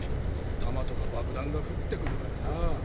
弾とか爆弾が降ってくるからな。